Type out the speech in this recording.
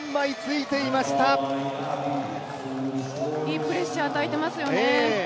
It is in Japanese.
いいプレッシャー与えていますよね。